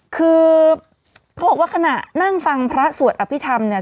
คือพูดว่าขณะนั่งฟังพระสวดอภิธรรมเนี่ย